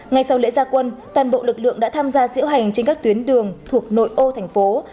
ngay sau lễ gia quân toàn bộ lực lượng đã tham gia diễu hành trên các tuyến đường thuộc nội ô thành phố